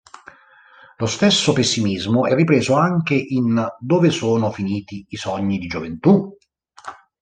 Lo stesso pessimismo è ripreso anche in "Dove sono finiti i sogni di gioventù?